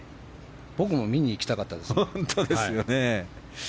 僕も見に行きたかったですよ。